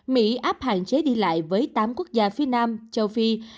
mỹ áp hạn chế đi lại với tám quốc gia phía nam châu phi